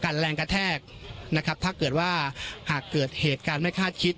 แรงกระแทกนะครับถ้าเกิดว่าหากเกิดเหตุการณ์ไม่คาดคิด